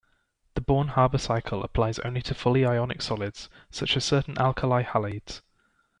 The Born-Haber cycle applies only to fully ionic solids such as certain alkali halides.